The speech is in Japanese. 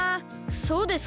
そうですか？